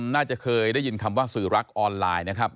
น่าจะเคยได้ยินคำว่าสื่อรักออนไลน์นะครับ